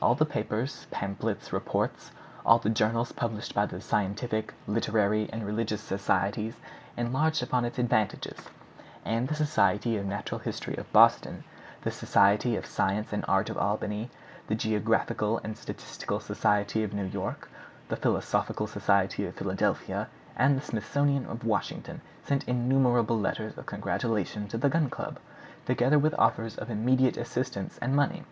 All the papers, pamphlets, reports—all the journals published by the scientific, literary, and religious societies enlarged upon its advantages; and the Society of Natural History of Boston, the Society of Science and Art of Albany, the Geographical and Statistical Society of New York, the Philosophical Society of Philadelphia, and the Smithsonian of Washington sent innumerable letters of congratulation to the Gun Club, together with offers of immediate assistance and money.